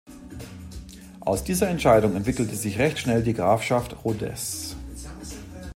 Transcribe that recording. Aus dieser Entscheidung entwickelte sich recht schnell die Grafschaft Rodez.